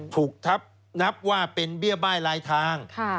ถูกทับนับว่าเป็นเบี้ยบ้ายลายทาง